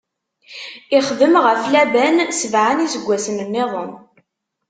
Ixdem ɣef Laban sebɛa n iseggasen-nniḍen.